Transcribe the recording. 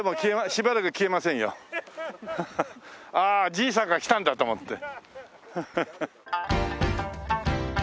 「ああじいさんが来たんだ」と思って。